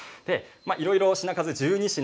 いろいろ品数１２品